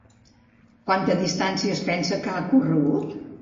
Quanta distància es pensa que ha corregut?